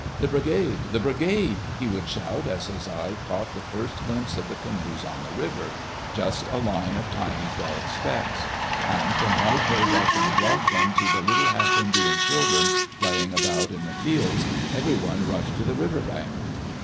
"The Bri gade! The Brigade I'' he would shout as his eye caught the first glimpse of the canoes on the river — just a line of tiny dark specks. And from white haired Dr. McLoughlin to the little half Indian children playing about in the fields, everyone rushed to die river bank.